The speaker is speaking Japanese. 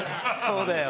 そうだよ。